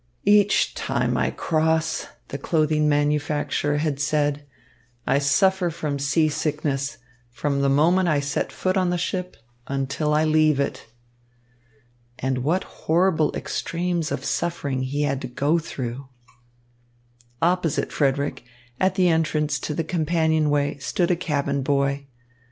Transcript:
"Each time I cross," the clothing manufacturer had said, "I suffer from seasickness, from the moment I set foot on the ship until I leave it." And what horrible extremes of suffering he had to go through! Opposite Frederick, at the entrance to the companionway, stood a cabin boy.